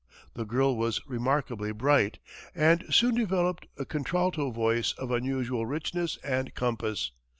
The girl was remarkably bright, and soon developed a contralto voice of unusual richness and compass.